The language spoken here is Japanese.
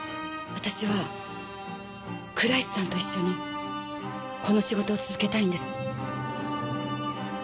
私は倉石さんと一緒にこの仕事を続けたいんです。